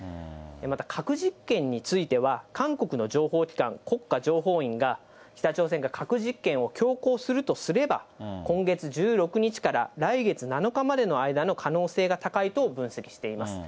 また核実験については、韓国の情報機関、国家情報院が、北朝鮮が核実験を強行するとすれば、今月１６日から来月７日までの間の可能性が高いと分析しています。